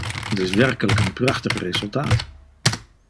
Het is werkelijk een prachtig resultaat.